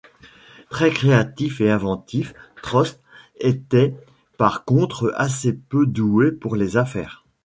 Très créatif et inventif, Trost était par contre assez peu doué pour les affaires.